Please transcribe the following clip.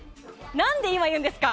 なんで今言うんですか。